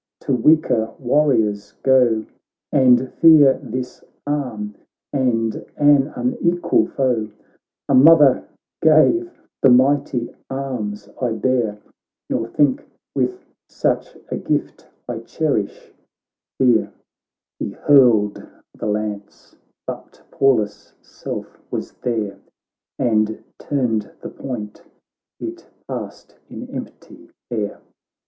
to weaker warriors And fear this arm, and an unequal foe ; A mother gave the mighty arms I bear, Nor think with such a gift I cherish fear.' 26 THE BATTLE OF MARATHON He hurled the lance, but Pallas' self was there And turned the point : it passed in empty air.